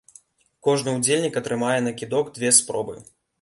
Кожны ўдзельнік атрымае на кідок дзве спробы.